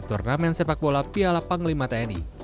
turnamen sepak bola piala panglima tni